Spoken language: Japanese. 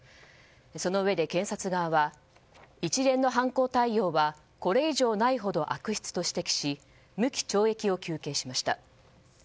そのうえで検察側は一連の犯行態様はこれ以上ないほど悪質と指摘し無期懲役を求刑しました。